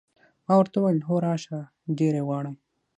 ما ورته وویل: هو، راشه، ډېر یې غواړم.